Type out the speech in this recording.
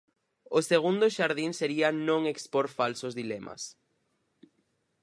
O segundo xardín sería non expor falsos dilemas.